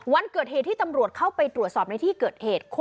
วันเกิดเหตุที่ตำรวจเข้าไปตรวจสอบในที่เกิดเหตุ